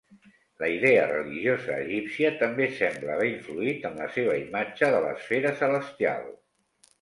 La idea religiosa egípcia també sembla haver influït en la seva imatge de l'esfera celestial.